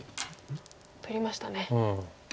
取りましたね。